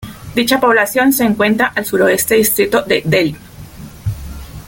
Dicha población se encuentra al sureste distrito de Delhi.